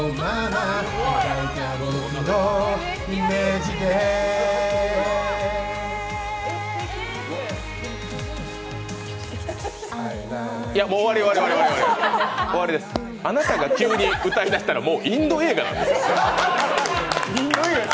あなたが急に歌い出したら、もうインド映画なんです。